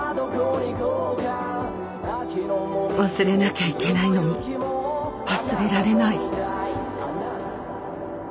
忘れなきゃいけないのに忘れられない。